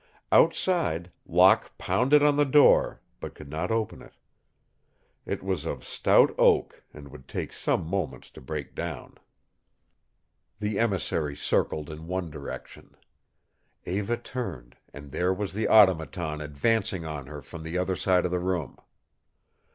Outside, Locke pounded on the door, but could not open it. It was of stout oak and would take some moments to break down. The emissary circled in one direction. Eva turned, and there was the Automaton advancing on her from the other side of the room.